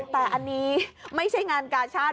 แต่อันนี้ไม่ใช่งานกาชาติ